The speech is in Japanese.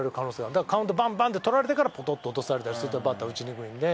だからカウントバンバンって取られてからポトッて落とされたりするとバッター打ちにくいんで。